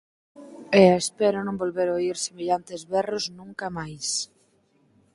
E espero non volver oír semellantes berros nunca máis.